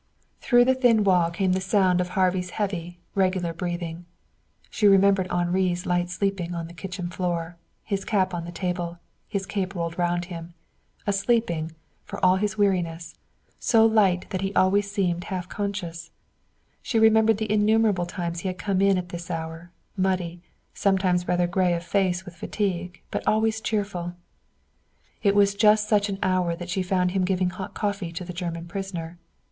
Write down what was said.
Through the thin wall came the sound of Harvey's heavy, regular breathing. She remembered Henri's light sleeping on the kitchen floor, his cap on the table, his cape rolled round him a sleeping, for all his weariness, so light that he seemed always half conscious. She remembered the innumerable times he had come in at this hour, muddy, sometimes rather gray of face with fatigue, but always cheerful. It was just such an hour that she found him giving hot coffee to the German prisoner.